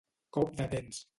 Cop de dents.